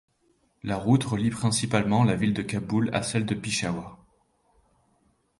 La route relie principalement la ville de Kaboul à celle de Peshawar.